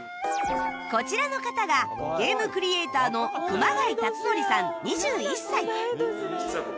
こちらの方がゲームクリエイターの熊谷龍典さん２１歳